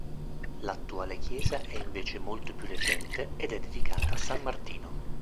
L'attuale chiesa è invece molto più recente ed è dedicata a San Martino.